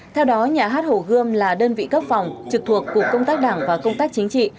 theo đó nhà hát hồ gươm là đơn vị cấp phòng trực thuộc cục công tác đảng và công tác chính trị